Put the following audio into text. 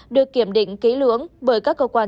được kiểm định ký lưỡng bởi các cơ quan